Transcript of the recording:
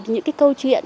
những câu chuyện